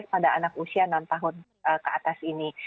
pada anak usia enam tahun ke atas ini